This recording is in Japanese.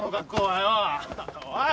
おい！